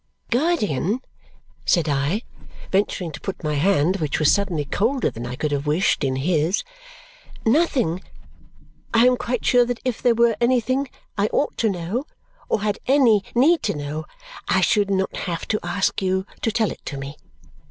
"Guardian," said I, venturing to put my hand, which was suddenly colder than I could have wished, in his, "nothing! I am quite sure that if there were anything I ought to know or had any need to know, I should not have to ask you to tell it to me.